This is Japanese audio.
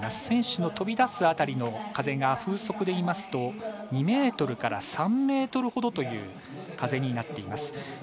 選手の飛び出す辺りの風が風速でいいますと２メートルから３メートルほどという風になっています。